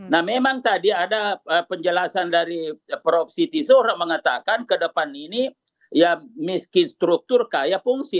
nah memang tadi ada penjelasan dari prof siti zohra mengatakan ke depan ini ya miskin struktur kaya fungsi